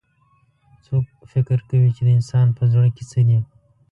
څوک فکر کوي چې د انسان پهزړه کي څه دي